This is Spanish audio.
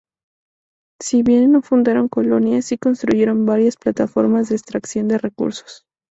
Si bien no fundaron colonias, sí construyeron varias plataformas de extracción de recursos.